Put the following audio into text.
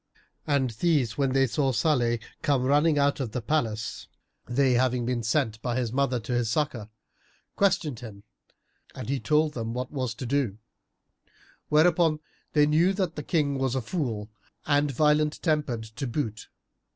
And these when they saw Salih come running out of the palace (they having been sent by his mother to his succour), questioned him and he told them what was to do; whereupon they knew that the King was a fool and violent tempered to boot.